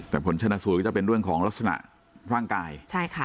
แต่ผลชนะสูตรก็จะเป็นเรื่องของลักษณะร่างกายใช่ค่ะ